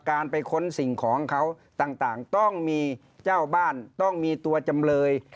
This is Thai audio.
การไปค้นสิ่งของเขาต่างต้องมีเจ้าบ้านต้องมีตัวจำเลย